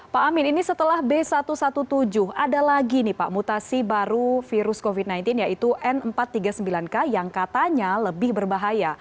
pak amin ini setelah b satu satu tujuh ada lagi nih pak mutasi baru virus covid sembilan belas yaitu n empat ratus tiga puluh sembilan k yang katanya lebih berbahaya